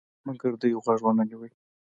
مګر دوی غوږ ونه نیوی.